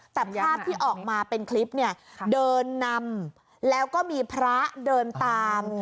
แต่ภาพที่ออกมาเป็นคลิปเนี่ยเดินนำแล้วก็มีพระเดินตาม